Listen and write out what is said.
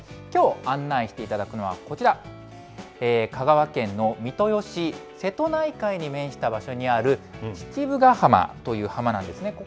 きょう案内していただくのはこちら、香川県の三豊市、瀬戸内海に面した場所にある父母ヶ浜という浜なんですね。